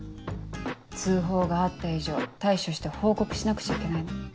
通報があった以上対処して報告しなくちゃいけないの。